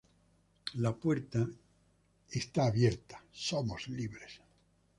La puerta. ¡ está abierta! ¡ somos libres!